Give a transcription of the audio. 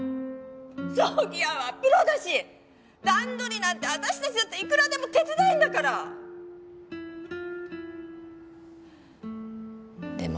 葬儀屋はプロだし段取りなんて私達だっていくらでも手伝えるんだからでも